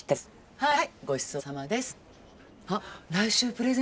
「はい」。